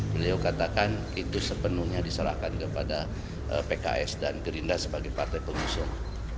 beliau katakan itu sepenuhnya diserahkan kepada pks dan gerindra sebagai partai pengusung